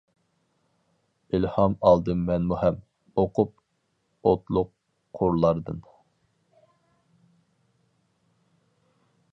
ئىلھام ئالدىم مەنمۇ ھەم، ئوقۇپ ئوتلۇق قۇرلاردىن.